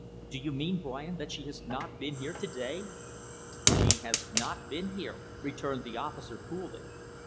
"Do you mean, Brian, that she has not been here to day?" "She has not been here," returned the officer, coolly.